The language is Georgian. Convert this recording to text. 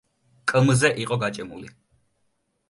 კმ-ზე იყო გაჭიმული.